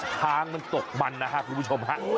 ทางมันตกมันนะครับคุณผู้ชมฮะ